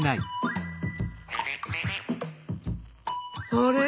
あれ？